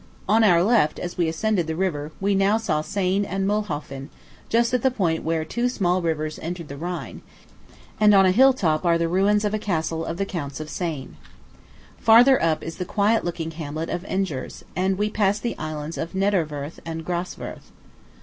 On our left, as we ascended the river, we now saw Sain and Mühlhofen, just at the point where two small rivers enter the Rhine; and on a hill top are the ruins of a castle of the Counts of Sain. Farther up is the quiet looking hamlet of Engers; and we pass the islands of Niederwörth and Graswörth.